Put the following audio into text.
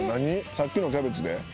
さっきのキャベツで？